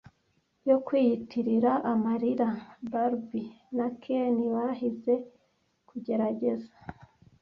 yo kwiyitirira amarira, Barbie na Ken bahize kugerageza